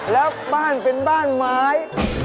แล้วบ้านเป็นบ้านไม้